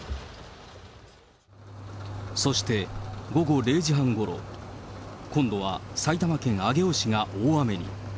そして午後０時半ごろ、今度は埼玉県上尾市が大雨に。